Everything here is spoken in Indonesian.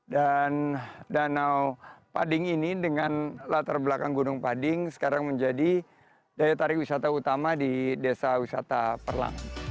dan danau pading ini dengan latar belakang gunung pading sekarang menjadi daya tarik wisata utama di desa wisata perlang